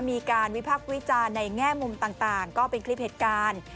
มีการวิพักษ์วิจารณ์ในแง่มุมต่างก็เป็นคลิปเหตุการณ์